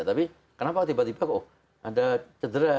tapi kenapa tiba tiba kok ada cedera